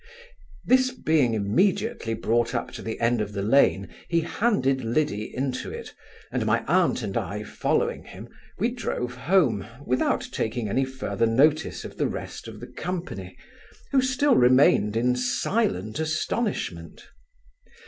This being immediately brought up to the end of the lane, he handed Liddy into it, and my aunt and I following him, we drove home, without taking any further notice of the rest of the company, who still remained in silent astonishment.